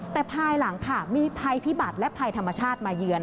แต่ภายหลังค่ะมีภัยพิบัติและภัยธรรมชาติมาเยือน